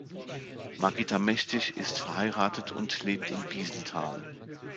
Margitta Mächtig ist verheiratet und lebt in Biesenthal.